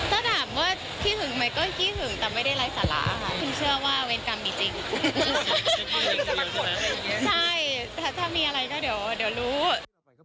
ถ้ามันรู้สึกเดี๋ยวมันก็จะรู้สึกเองแหละ